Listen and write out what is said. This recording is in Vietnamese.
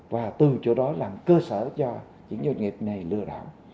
và từ chỗ đó làm cơ sở cho những doanh nghiệp này lừa đảo